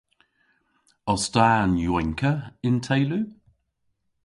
Os ta an yowynkka y'n teylu?